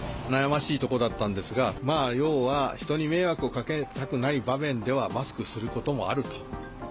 悩ましいところだったんですが、まあ要は、人に迷惑をかけたくない場面では、マスクすることもあると。